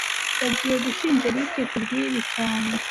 Bagiye gushinja Eric kubwibi cyane